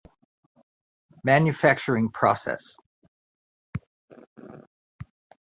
Manufacturing Process